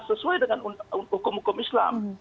sesuai dengan hukum hukum islam